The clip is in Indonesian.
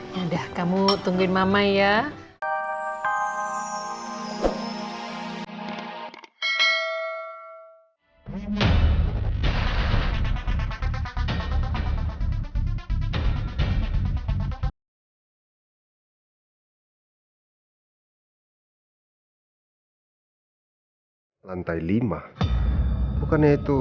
yaudah kamu tungguin mama ya